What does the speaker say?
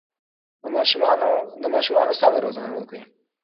د ماشومانو سمه روزنه وکړئ.